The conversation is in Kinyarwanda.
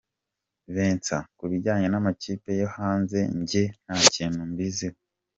Vincent : Ku bijyanye n’amakipe yo hanze jye nta kintu mbiziho.